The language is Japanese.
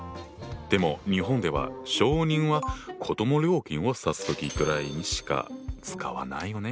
でも日本では小人は子ども料金を指す時ぐらいにしか使わないよね？